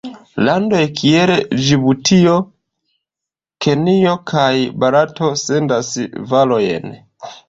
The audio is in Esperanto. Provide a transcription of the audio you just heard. Landoj kiel Ĝibutio, Kenjo kaj Barato sendas varojn.